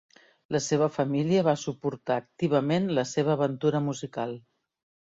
La seva família va suportar activament la seva aventura musical.